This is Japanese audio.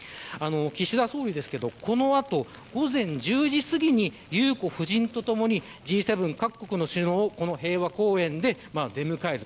岸田総理ですがこの後、午前１０時すぎに裕子夫人とともにＧ７各国の首脳をこの平和公園で出迎える。